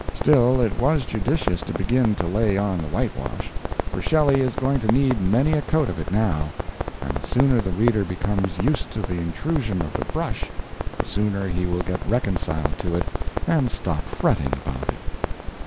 Still, it was judicious to begin to lay on the whitewash, for Shelley is going to need many a coat of it now, and the sooner the reader becomes used to the intrusion of the brush the sooner he will get reconciled to it and stop fretting about it.